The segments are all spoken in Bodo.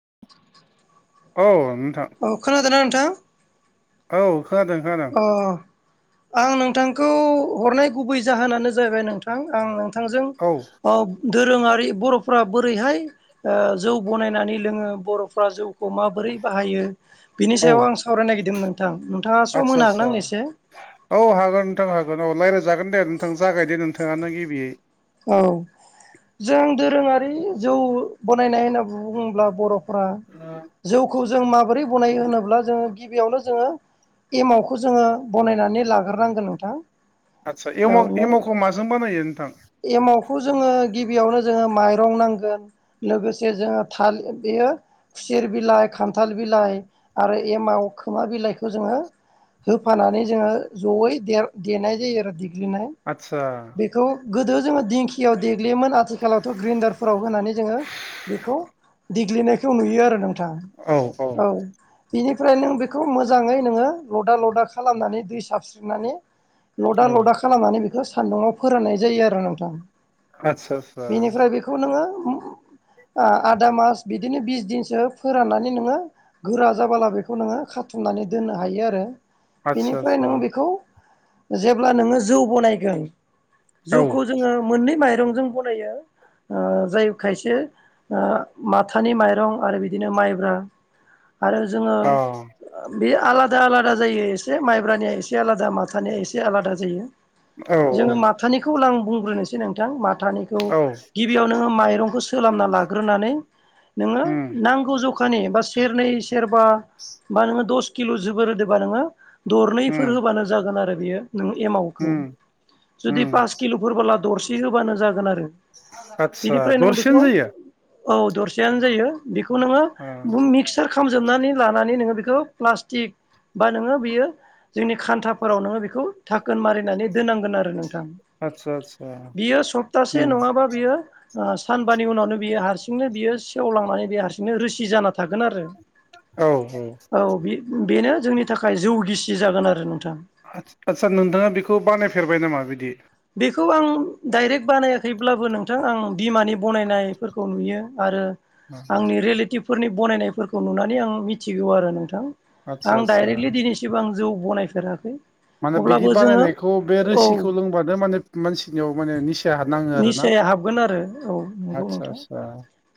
[inaudible] औ नोंथां औ खोनादोंना नोंथां [inaudible] औ खोनादों खोनादों अ आं नोंथांखौ हरनाय गुबै जाहोनानो जाहैबाय नोंथां आं नों थांजों औ ओ दोरोङारि बर'फोरा बोरैहाय ओ जौ बनायनानै लोङो बर'फोरा जौ खौ माबोरै बाहायो बिनि औ सायाव आं सावरायनो नागिरदों नोंथां नोंथाङा सम आदसा होनो हागोन सा आंनो एसे औ हागोन नोंथां हागोन औ रायज्लायजागोन दे नोंथां जागायदे नोंथां नोंथाङानो गिबियै। औ जों दोरोङारि जौ बनायनाय होनना बुंङोब्ला बर' फोरा जौखौ जों माबोरै बनायो होनोब्ला जोङो गिबियावनो जोङो एमावखौ जोङो बनायनानै लाग्रोनांगोन नोंथां आदसा औ एम नों एम'खौ माजों बानायो नोंथां। एमावखौ जोङो गिबियावनो जोङो माइरं नांगोन लोगोसे जोङो थालिर बेयो खुसेर बिलाइ खान्थाल बिलाइ आरो एमाव खोमा बिलाइखौ जोङो होफानानै जोङो जयै देनाय जायो आरोखि देनाय आदसा बेखौ गोदो जोङो दिं खियाव देग्लियोमोन आथिखालावथ' ग्रेन्दारफोराव होनानै जोङो बेखौ देग्लिनायखौ नुयो आरो नोंथां औ बिनिफ्राय नों बेखौ मोजाङै नोङो लदा लदा खालामनानै दै साबस्रिनानै लदा औ लदा खालामनानै बिखो सान्दुङाव फोराननाय जायो आरो नोंथां आदसा आदसा बेनिफ्राय बिखौ नोङो आ आदा मास बिदिनो बिस दिनसो फोराननानै नोङो गोरा जाबाला बेखौ नोङो खाथुमनानै दोननो हायो आरो आदसा बेनिफ्राय आदसा नों बेखौ जेब्ला नोङो जौ बनायगोन औ जौखौ जोङो मोननै माइरंजों बनायो ओ जाय खायसे ओ माथानि माइरं आरो बिदिनो माइब्रा आरो जोङो अ बे आलादा आलादा जायो एसे माइब्रानिया एसे आलादा माथानिया एसे आलादा जायो। औ औ जोङो माथानिखौ आं बुंग्रोनोसै नोंथां माथानिखौ औ गिबियाव नोङो माइरं सोलामना लाग्रोनानै नोङो उम नांगौ जखानि बा सेरनै बा बा नोङो दस किल' जोबोर होदोबा नोङो दरनैफोर उम होबानो जागोन आरो बियो। नों एमावखौ उम उम जुदि पास किल'फोरबोला दरसे होबानो जागोन आरो। आदसा बेनिफ्राय नों दरसेनो बेखौ जायो औ दरसेयानो जायो बेखौ नोङो अ बुम मिक्सार खाम जोबनानै लानानै नोङो बेखौ प्लास्टिक बा नोङो बियो जोंनि खान्थाफोराव नोङो बेखौ धाखोन मारिनानै दोनांगोन आरो नों थां आदसा आदसा बियो उम सप्तासे नङाबा बियो सानबानि उनावनो बियो हारसिंनो बियो सेवलांनानै बेयो हारसिंनो रोसि जाना था थागोन आरो औ बेनो जोंनि थाखाय जौ गिसि जागोन आरो नों आ-आदसा नोंथाङा बेखौ बानायफेरबाय नामा बिदि? बेखौ आं डाइरेक्ट बानायाखैब्लाबो नोंथां आं बिमानि बनायनायफोरखौ नुयो आरो आंनि रिलेटिभफोरनि बनायनायफोरखौ नुनानै आं मिथिगौ आरो नोंथां। आदसा आं आदसा डाइरेक्टलि दिनैसिबां आं जौ बनायफेराखै। माने बिदि अब्लाबो जोङो बानायानायखौ बे औ रोसिखौ लोंबानो माने मानसिनियाव माने निस निसाया हाबगोन आरो औ नंगौ आदसा नोंथां। आदसा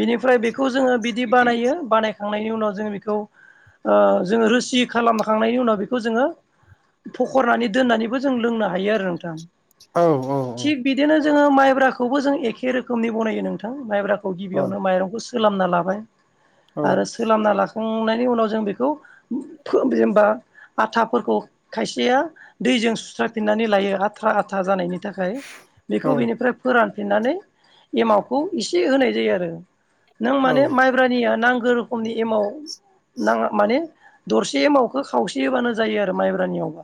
बेनिफ्राय बेखौ जोङो बिदि बानायो बानायखांनायनि उनाव जोङो बेखौ ओ जोङो रोसि खालामखांनायनि उनाव बेखौ जोङो फखरनानै दोननानैबो जों लोंनो हायो आरो नोंथां। औ औ औ ओ माइब्राखौबो जों एखे रोखोमनि बनायो नोंथां माइब्राखौ औ गिबियावनो माइरंखौ सोलामना लाबाय। औ आरो सोलामना लाखांनायनि उनाव जों बेखौ फो जेनेबा आथाफोरखौ खायसेया दैजों सुस्राफिननानै लायो आथा आथा जानायनि थाखाय औ बेखौ बिनिफ्राय फोरानफिननानै एमावखौ इसे होनाय जायो आरो। नों माने माइब्रानिया नांगौ रोखोमनि एमाव नाङा माने दरसे एमावखौ खावसे होबानो जायो आरो माइब्रानियावबा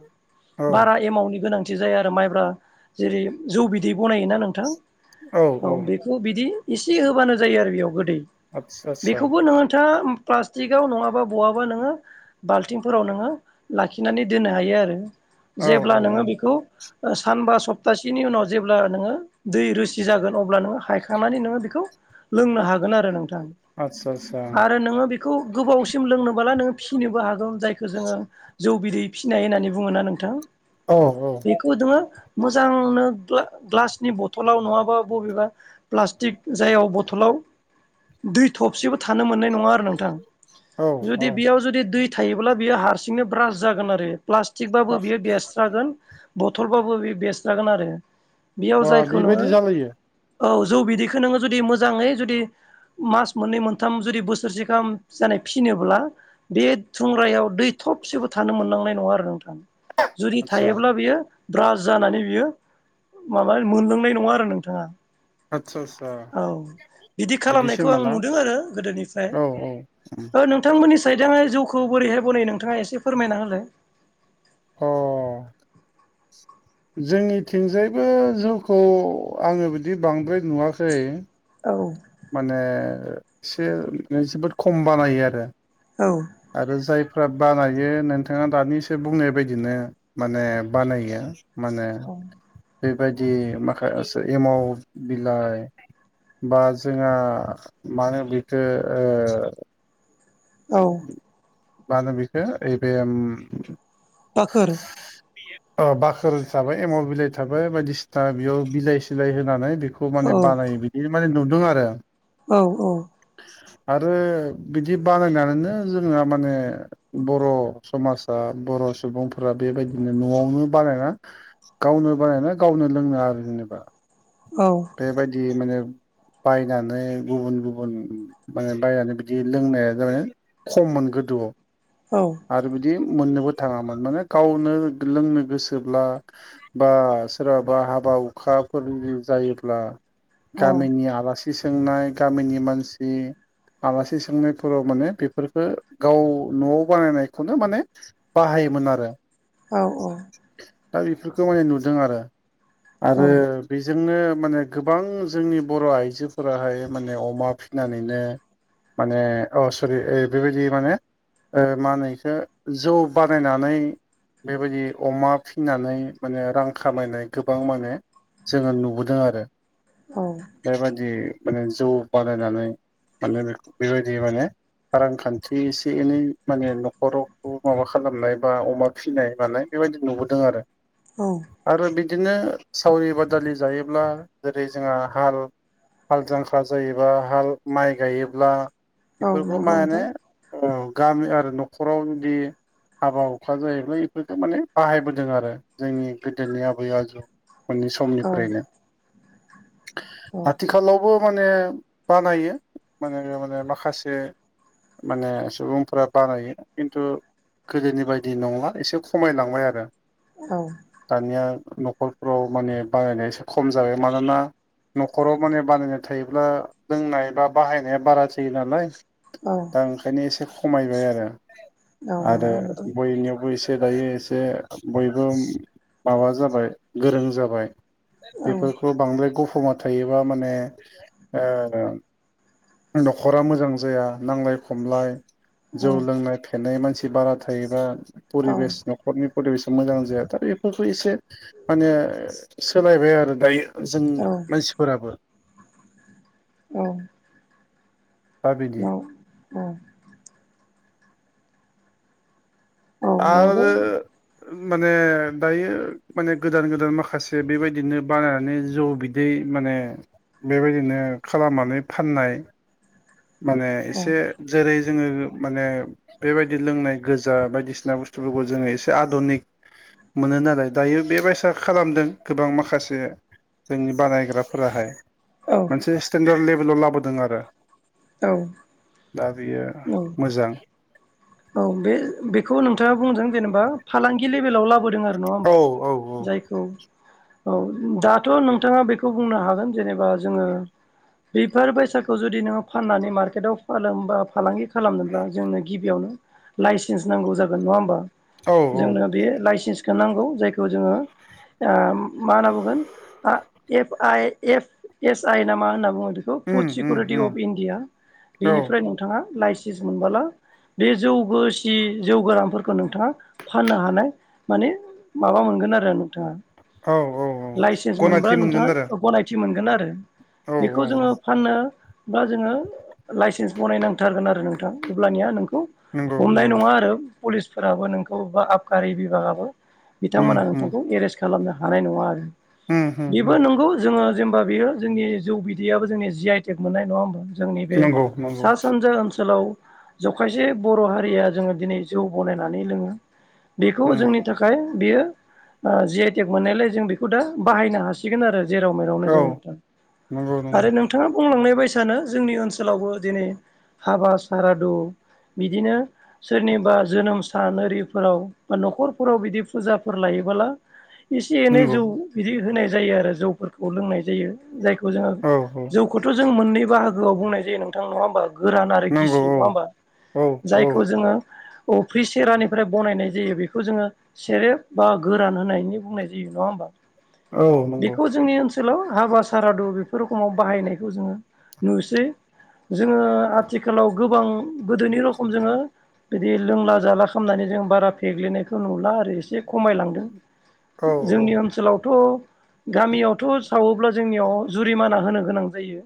औ बारा एमावनि गोनां थि जाया आरो माइब्रा जेरै जौ बिदै बनायोना नोंथां? औ बेखौ बिदि एसे होबानो जायो आरो बेयाव गोदै। आदसा आदसा बेखौबो नोंथाङा प्लास्टिकआव नङाबा बहाबा नोङो बाल्थिंफोराव नोङो लाखिनानै दोननो हायो आरो। औ जेब्ला औ नोङो औ बेखौ सानबा सप्तासेनि उनाव जेब्ला नोङो दै रोसि जागोन अब्ला नोङ हायखांनानै नोङो बेखौ लोंनो हागोन आरो नोंथां। आदसा आदसा आरो नोङो बे खौ गोबावसिम लोंनोबोला नोंङो फिनोबो हागौ जायखौ जोङो जौ बिदै फिनाय होन्नानै बुङोना नोंथां? औ औ बेखौ नोङो मोजांनो ग्ला-ग्लासनि बथलाव नङाबा बबेबा प्लास्टिक जायाव बथलाव दै थबसेबो थानो मोननाय नङा आरो नोंथां औ जुदि औ बेयाव जुदि दै थायोब्ला बियो हारसिंनो ब्रास जागोन आरो। प्लास्टिकबाबो बियो बेरस्रागोन बथलबाबो बेयो बेरस्रागोन आरो। बेयाव बा जायखौ नोङो बेबायदि जालायो औ जौ बिदैखौ नोङो जुदि मोजाङै जुदि मास मोननै मोनथाम जुदि बोसोरसे गाहाम जानाय फिनोब्ला बे थुंग्रायाव दै थबसेबो थानो मोननांनाय नङा आरो नोंथां। जुदि आदसा थायोब्ला बियो ब्रास जानानै बियो माबा मोनलोंनाय नङा आरो नोंथाङा। आतसा आतसा। औ बिदि खालामनायखौ आं नुदों आरो गोदोनिफ्राय औ औ ओ नोंथांमोननि सायजाङै जौखौ बोरैहाय बनायै नोंथाङा एसे फोरमायना होलाय अ [inaudible] जोंनिथिंजायबो जौखौ आङो बिदि बांद्राय नुवाखै औ माने एसे जोबोद खम बानायो आरो औ आरो जाय फ्रा बानायो नोंथाङा दानिसो बुंनाय बायदिनो माने बानायो माने बेबायदि माखासे एमाव बिलाइ बा जोंहा मानो बेखो। औ मा होनो बिखौ यैबे बाखोर अ बाखोर थाबाय एमल बिलाइ थाबाय बायदिसिना बेयाव बिलाइ सिलाय होनानै। खौ औ माने बानायो बिदि माने नुदों आरो औ औ आरो बिदि बानायनानैनो जोंहा माने बर' समाजा बर' सुबुंफोरा बेबायदिनो न'आवनो बानायना गावनो बानायना गावनो लोंङो आरो जेनेबा औ बे बादि माने बायनानै गुबुन गुबुन माने बायनानै बिदि लोंनाया जाबाय खममोन गोदोआव आरो बिदि मोननोबो थांङामोन माने गावनो लोंनो गोसोब्ला बा सोरहाबा हाबा बावखाफोरनि जायोब्ला। गामिनि आलासि सोंनाय गामिनि मानसि आलासि सोंनाय। फोराव माने बेफोरखौ गाव न'आव बानायनायखौनो माने बाहायोमोन आरो औ औ दा बेफोरखौ माने नुदों आरो औ आरो बे जोंनो माने गोबां जोंनि बर' आइजोफोराहाय माने अमा फिनानैनो। माने अ सरि ओ बेबायदि माने। ओ मा होनो बेखो जौ बानायनानै बेबायदि अमा फिनानै माने रां खामायनाय गोबां माने जोंङो नुबोदों आरो औ बेबायाददि माने जौ बानायनानै माने खौ बेबायदि माने रांखान्थि एसे एनै माने न'खरखौ माबा खालामनाय बा अमा फिसिनाय बा बेबायदि नुबोदों औ आरो। बिदिनो सावरि बादालि जायोब्ला जेरै जोंहा हाल। हाल जांख्रा जायोबा हाल माइ गायोब्ला। औ बेफोरखौ नंगौ नोंथां माने गामि आरो न'खराव बिदि हाबा हुखा जायोब्ला बेफोरफोरखौ माने बाहायबोदों आरो जोंनि गोदोनि आबै आबौ मोननै औ समनिफ्रायनो। औ आथिखालावबो माने बानायो माने माखासे एसे माने सुबुंफोरा बानायो खिन्थु गोदोनि बायदि नंला एसे खमायलांबाय आरो दानिया। न'खरफ्राव माने बानायनाया एसे खम जाबाय मानोना न'खराव माने बानायनाय थायोब्ला लोंनाय बा बाहायनाया बारा थाजो नालाय दा ओंखायनो एसे खमायबाय आरो बयनियावबो एसे दायो एसे बयबो माबा जाबाय गोरों जाबाय बेफोरखौ बांद्राय गुफ हौवा थायोब माने ओ न'खरा मोजां जाया नांलाय खमलाय औ जौ लोंनाय फेनाय मानसि बारा थायोबा। औ फरिबेस न'खरनि। फरिभेस मोजां जाया दा बेफोरखौ एसे माने सोलायबाय आरो दायो जों औ मानसिफोराबो औ दा बिदि औ औ नंगौ आरो माने दायो माने गोदान गोदान माखासे बेबायदिनो बानायनानै जौ बिदै माने बेबायदिनो खालामनानै फाननाय माने औ एसे जेरै जोङो माने बेबायदि लोंनाय गोजा बायदिसिना बुसथुफोरखौ जोङो एसे आद'निक मोनो नालाय दायो बेबायसा खालामदों गोबां माखासे जोंनि बानायग्राफोराहाय औ मोनसे स्टेन्डार्ड लेभेलाव लाबोदों आरो औ दा बेयो मोजां औ बे बेखौ नोंथाङा बुंदों जेनेबा फालांगि लेभेलाव ला बोदों आरो नङा औ होमबा औ औ जायखौ औ दाथ' नोंथाङा बेखौ बुंनो हागोन जेनेबा जोङो बेफोर बायसाखौ जुदि नोङो फाननानै मार्केटाव फाननोबा फालांगि खालामनोब्ला जोंनो गिबियावनो लाइसेन्स नांगौ जागोन नङा होमबा औ औ जोंनो बे लाइसेन्स खो नांगौ जायखौ जोङो ओ मा होनना बुंगोन आ F I F S I ना मा होनना बुङो बेखौ उम फुड उम सिकिउरिटि उम अफ इण्डिया औ बेनिफ्राय नोंथाङा लाइसेन्स मोनबोला बे जौगोसि जौ गोरानफोरखौ नोंथाङा फाननो हानाय माने माबा मोनगोन आरो नोंथाङा औ औ औ लाइसेन्स मोनब्ला गनायथि मोनगोन आरो नोंथाङा गनायथि मोनगोन आरो औ बेखौ औ जोङो फाननो बा जोङो लाइसेन्स बनायनांथारगोन आरो नोंथां अब्लानिया नोंखौ नंगौ हमनाय नंगौ नङा आरो पुलिसफोराबो नोंखौ बा आबखारि बिभागाबो उम बिथांमोना उम नोंथांखौ एरेस्ट खालामनो हानाय नङा आरो उम उम बेबो उम नंगौ जोङो जेनबा बेयो जोंनि जौ बिदैयाबो जोंनि जि आइटेक मोननाय नङा होनबा जोंनि बे नंगौ नंगौ सा सानजा ओनसोलाव जखाय से बर' हारिया जोङो दिनै जौ बनायनानै लोङो बेखौ उम जोंनि थाखाय बेयो ओ जिआइटेक मोननायलाय जों बेखौ दा बाहायनो हासिगोन आरो जेराव मेरावनो औ जोङो नोंथां नंगौ नंगौ आरो नोंथाङा बुंलांनाय बायसानो जोंनि ओनसोलावबो दिनै हाबा सारादु बिदिनो सोरनिबा जोनोम सान ओरिफोराव बा न'खरफोराव बिदि फुजाफोर लायोबाला एसे एनै नंगौ जौ बिदि होनाय जायो आरो जौफोरखौ लोंनाय जायो जायखौ खौ जोङो औ औ जौखौथ' जों मोननै बाहागोआव बुंनाय जायो नोंथां नङा होमबा गोरान आरो नंगौ गिसि नङा होमबा औ औ औ जायखौ जोङो अफ्रि सेरानिफ्राय बनायनाय जायो बेखौ जोङो सेरेब बा गोरान होनायनि बुंनाय जायो। नङा होमबा औ नंगौ। बेखौ जोंनि ओनसोलाव हाबा सारादु बेफोर रोखोमाव बाहायनायखौ जोङो नुसै। जोङो आथिखालाव गोबां गोदोनि रखम जोङो बिदि लोंला जाला खालामनानै जों बारा फेग्लिनायखौ नुला आरो एसे खमायलांदों औ औ जोंनि ओनसोलावथ' गामियावथ' सावोब्ला जोंनियाव जुरिमाना होनो गोनां जायो।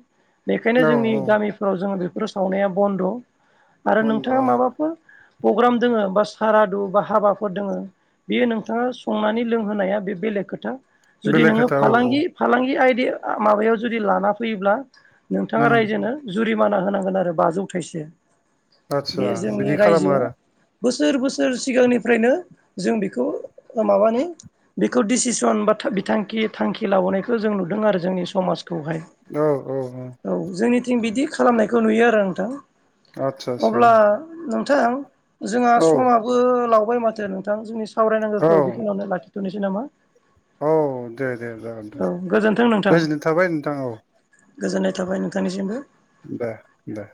बेखायनो जोंनि औ गामिफोराव जोङो बेफोर सावनाया बन्द' आरो नंगौ औ नोंथाङा माबाफोर पग्राम दोङो बा सारादु बा हाबाफोर दोङो बेयो नोंथाङा संनानै लोंहोनाया बे बेलेग खोथा जुदि बेलेग नोङो खोथा औ औ फालांगि फालांगि आयदाया माबायाव जुदि लाना फैयोब्ला नोंथाङा उम रायजोनो जुरिमाना होनांगोन आरो बाजौथाइसे आदसा बे जोंनि बिदि खालामो रायजोआ आरो बोसोर बोसोर सिगांनिफ्रायनो जों बेखौ ओ माबानि बेखौ डिसिसन बा बिथांखि थांखि लाबोनायखौ जों नुदों आरो जोंनि समाज खौहाय औ औ औ जोंनिथिं बिदि खालामनायखौ नुयो आरो नोंथां आदसा आदसा अब्ला नोंथां जोंहा औ समाबो लाव बाय माथो नोंथां जोंनि औ सावरायनांगौखौ बेखिनियावनो लाखिथ'नोसै नामा! औ दे दे जागोन औ दे गोजोन्थों नोंथां गोजोननाय थाबाय नोंथां। औ गोजोननाय थाबाय नोंथांनिसिमबो दे दे